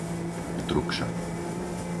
Ptrukša